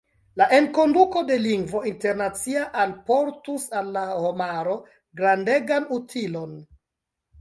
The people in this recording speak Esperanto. La enkonduko de lingvo internacia alportus al la homaro grandegan utilon.